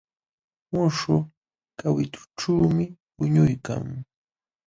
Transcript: Muśhuq kawitućhuumi puñuykan.